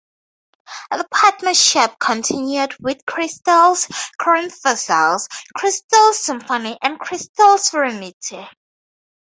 The partnership continued with Crystal's current vessels, "Crystal Symphony" and "Crystal Serenity".